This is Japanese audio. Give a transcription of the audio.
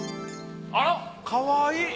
あらかわいい。